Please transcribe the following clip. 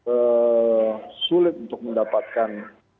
eeem sulit untuk mendapatkan